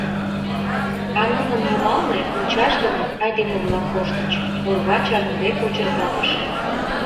А нунын йымалне мучашдымын айдеме-влак коштыч, орва чарныде кочыртатыш.